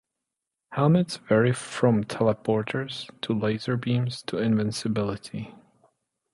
Helmets vary from teleporters, to laser beams, to invincibility.